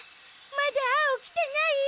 まだアオきてない？